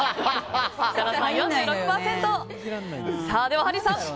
ではハリーさん